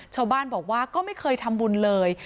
ชาวบ้านบอกว่าก็ไม่เคยทำบุญเลย